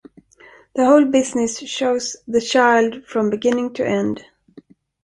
The whole business shows the child from beginning to end.